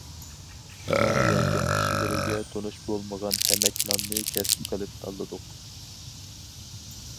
شۇڭا يەكەن كىشىلىرىگە تونۇش بولمىغان ھەمەك ناننى كەسىپ قىلىپ تاللىدۇق.